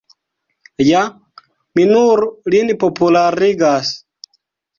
Ja mi nur lin popularigas.